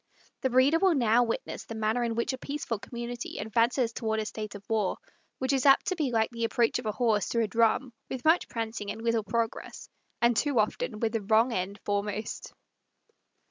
The reader will now witness the manner in which a peaceful community advances toward a state of war; which is apt to be like the approach of a horse to a drum, with much prancing and little progress, and too often with the wrong end foremost.